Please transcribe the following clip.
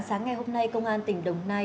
sáng ngày hôm nay công an tỉnh đồng nai